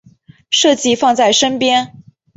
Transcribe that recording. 设计放在身边